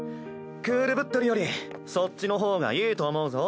クールぶってるよりそっちの方がいいと思うぞ。